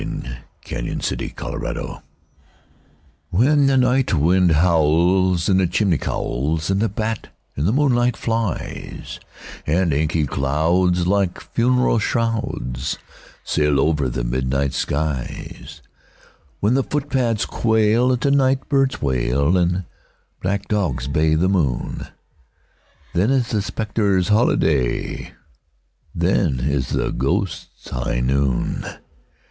THE GHOSTS' HIGH NOON WHEN the night wind howls in the chimney cowls, and the bat in the moonlight flies, And inky clouds, like funeral shrouds, sail over the midnight skies— When the footpads quail at the night bird's wail, and black dogs bay the moon, Then is the spectres' holiday—then is the ghosts' high noon!